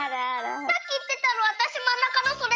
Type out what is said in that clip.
さっきいってたのわたしまんなかのそれ！